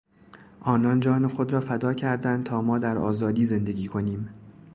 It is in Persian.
آنان جان خود را فدا کردند تا ما در آزادی زندگی کنیم.